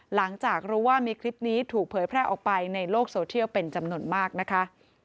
หลังจากรู้ว่ามีคลิปนี้ถูกเผยแพร่ออกไปในโลกโซเทียลเป็นจำนวนมากนะคะ